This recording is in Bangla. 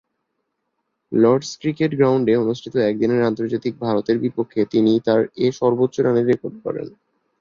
লর্ড’স ক্রিকেট গ্রাউন্ডে অনুষ্ঠিত একদিনের আন্তর্জাতিকে ভারতের বিপক্ষে তিনি তার এ সর্বোচ্চ রানের রেকর্ড গড়েন।